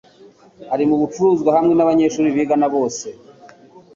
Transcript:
Ari mubicuruzwa hamwe nabanyeshuri bigana bose.